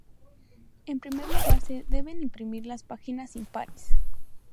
En primer lugar se deben imprimir las páginas impares.